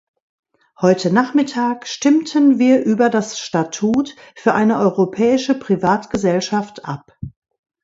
Heute Nachmittag stimmten wir über das Statut für eine europäische Privatgesellschaft ab.